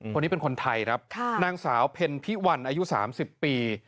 คนนี้เป็นคนไทยครับนางสาวเพ็ญพิวัลอายุ๓๐ปี